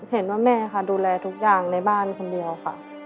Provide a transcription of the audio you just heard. แม่ค่ะดูแลทุกอย่างในบ้านคนเดียวค่ะ